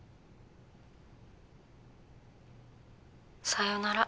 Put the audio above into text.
さようなら